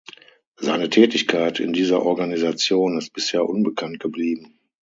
Seine Tätigkeit in dieser Organisation ist bisher unbekannt geblieben.